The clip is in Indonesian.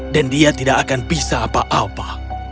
dan dia tidak akan bisa apa apa